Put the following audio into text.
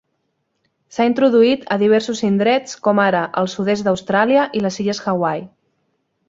S'ha introduït a diversos indrets com ara el sud-est d'Austràlia i les illes Hawaii.